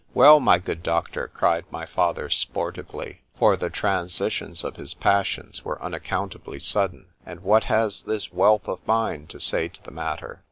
—— Well, my good doctor, cried my father sportively, for the transitions of his passions were unaccountably sudden,—and what has this whelp of mine to say to the matter?